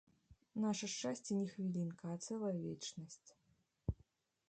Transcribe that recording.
Наша шчасце не хвілінка, а цэлая вечнасць.